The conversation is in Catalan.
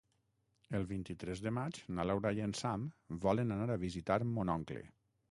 El vint-i-tres de maig na Laura i en Sam volen anar a visitar mon oncle.